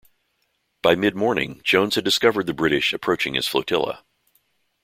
By mid-morning Jones had discovered the British approaching his flotilla.